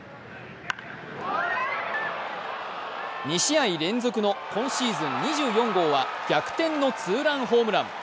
２試合連続の今シーズン２４号は逆転のツーランホームラン。